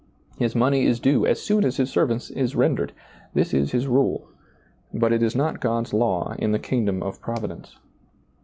His money is due as soon as his service is ren dered ; this is his rule ; but it is not God's law in the kingdom of Providence.